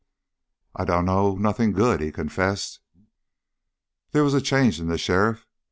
"I dunno nothing good," he confessed. There was a change in the sheriff.